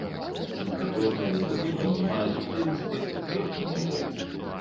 Сінхратроннае выпраменьванне мае суцэльны спектр з верхняй мяжой.